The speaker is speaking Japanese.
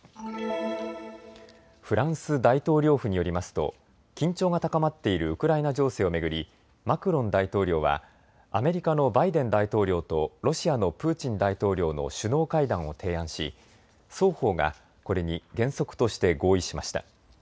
フランス大統領府によりますと緊張が高まっているウクライナ情勢を巡りマクロン大統領はアメリカのバイデン大統領とロシアのプーチン大統領の首脳会談を提案し双方が、これに原則として合意しました。